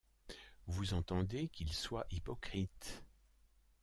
Vous entendez qu’il soit hypocrite.